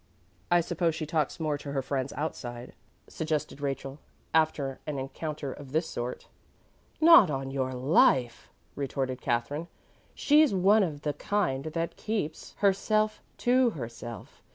"I suppose she talks more to her friends outside," suggested Rachel, after an encounter of this sort. "Not on your life," retorted Katherine. "She's one of the kind that keeps herself to herself.